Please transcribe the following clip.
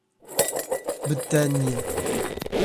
Betânia